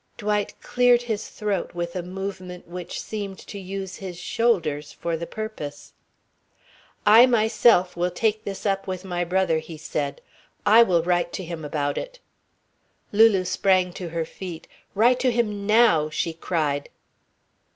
Dwight cleared his throat with a movement which seemed to use his shoulders for the purpose. "I myself will take this up with my brother," he said. "I will write to him about it." Lulu sprang to her feet. "Write to him now!" she cried.